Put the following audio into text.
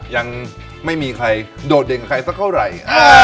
ยังไม่มีใครโดดเด่นกับใครสักเท่าไหร่